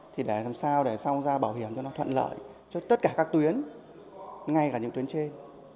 thì để làm sao để xong ra bảo hiểm cho nó thuận lợi cho tất cả các tuyến ngay cả những tuyến trên